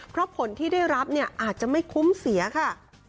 เพราะผลที่ได้รับเนี่ยอาจจะไม่คุ้มเสียค่ะ